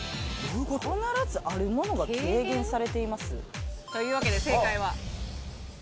必ずあるものが軽減されています？というわけで正解は。